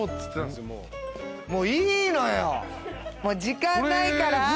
もう時間ないから。